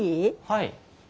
はい。